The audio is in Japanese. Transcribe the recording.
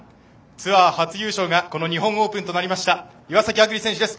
ツアー初優勝が日本オープンとなった岩崎亜久竜選手です。